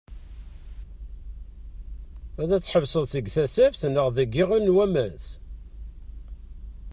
Ad teḥbes deg Tasaft neɣ deg Iɣil n wammas?